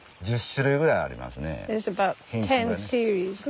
１０種類ぐらいありますね。